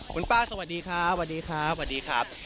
คุณป้าสวัสดีครับสวัสดีครับสวัสดีครับ